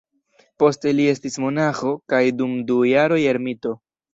Poste li estis monaĥo, kaj dum du jaroj ermito.